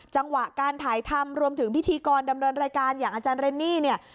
จังหวะการถ่ายทำรวมถึงพิธีกรดำเนินรายการอย่างอาจารย์เรนนี่เนี่ย